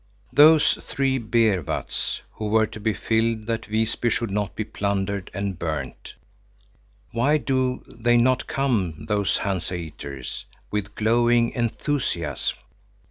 Those three beer vats were to be filled that Visby should not be plundered and burned. Why do they not come, those Hanseaters, with glowing enthusiasm?